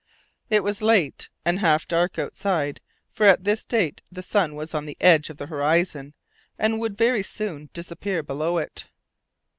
It was late, and half dark outside, for at this date the sun was on the edge of the horizon, and would very soon disappear below it.